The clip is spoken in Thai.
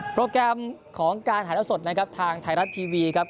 โปรแกรมของการถ่ายละสดนะครับทางไทยรัฐทีวีครับ